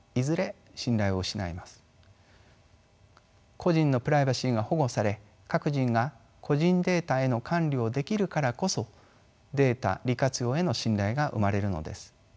個人のプライバシーが保護され各人が個人データへの管理をできるからこそデータ利活用への信頼が生まれるのです。